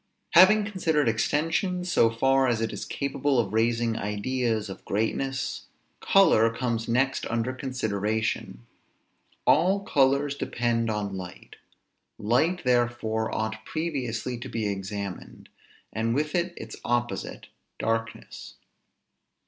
Having considered extension, so far as it is capable of raising ideas of greatness; color comes next under consideration. All colors depend on light. Light therefore ought previously to be examined; and with it its opposite, darkness.